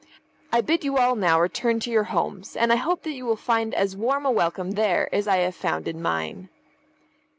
I bid you all now return to your homes, and I hope that you will find as warm a welcome there as I have found in mine."